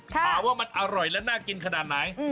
ถามว่ามันอร่อยและน่ากินขนาดไหน